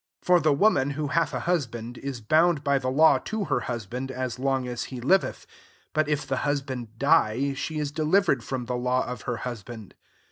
2 For the woman, who hath a husband, is bound by the law to her hus band as long as he liveth ; but if the husband die, she is de livered from the law of her hus band.